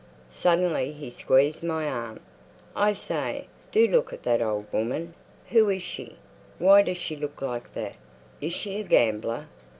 Suddenly he squeezed my arm. "I say, do look at that old woman. Who is she? Why does she look like that? Is she a gambler?"